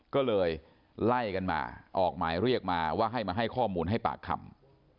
ก็เลยไล่กันมาออกหมายเรียกมาว่าให้มาให้ข้อมูลให้ปากคำ